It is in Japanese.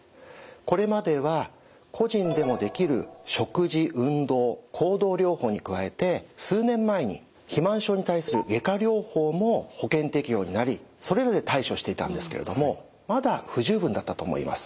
これまでは個人でもできる食事・運動・行動療法に加えて数年前に肥満症に対する外科療法も保険適用になりそれらで対処していたんですけれどもまだ不十分だったと思います。